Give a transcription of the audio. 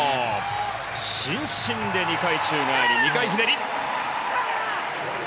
伸身で２回宙返り２回ひねり。